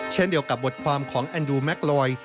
เช่นเดียวกับบทความของแอนดูแม็กลอย